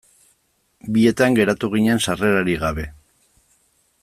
Bietan geratu ginen sarrerarik gabe.